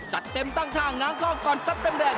จัดเต็มตั้งท่าง้างคอกก่อนซัดเต็มแรง